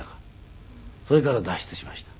それから脱出しました。